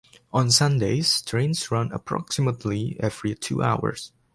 On Sundays, trains run approximately every two hours.